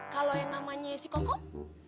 kalau yang namanya si kokong